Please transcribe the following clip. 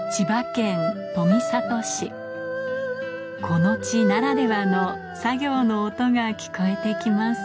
この地ならではの作業の音が聞こえて来ます